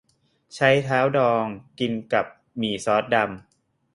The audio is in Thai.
ไชเท้าดองเหลือง กินกับหมี่ซอสดำ